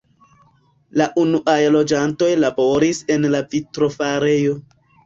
La unuaj loĝantoj laboris en la vitrofarejo.